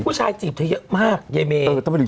ผู้ชายจีบเธอเยอะมากยายเมย์